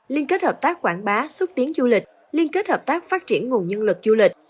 liên kết hợp tác quảng bá xúc tiến du lịch liên kết hợp tác phát triển nguồn nhân lực du lịch